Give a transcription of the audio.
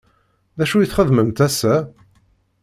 D acu i txedmemt ass-a?